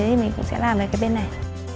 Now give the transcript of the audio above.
như thế mình cũng sẽ làm về cái bên này